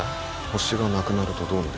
★がなくなるとどうなる？